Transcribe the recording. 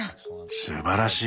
すばらしい。